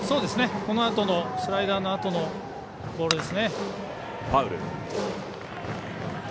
このあとのスライダーのあとのボールですね。